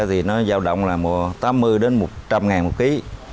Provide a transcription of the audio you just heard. thì nó giao động là tám mươi đến một trăm linh ngàn một ký